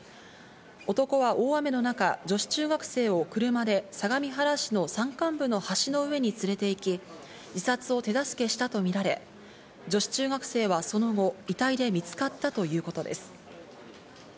男は大雨の中、女子中学生を車で相模原市の山間部の橋の上に連れて行き自殺を手助けしたとみられ、女子中学生はその後、遺体で見つかったということです。